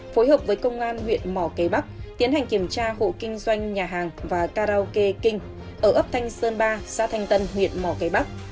phối hợp với công an huyện mỏ cây bắc tiến hành kiểm tra hộ kinh doanh nhà hàng và karaoke kinh ở ấp thanh sơn ba xã thanh tân huyện mỏ cây bắc